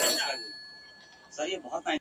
خو لکه سیوری بې اختیاره ځمه !.